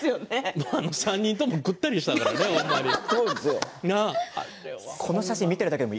３人ともぐったりでしたほんまにね。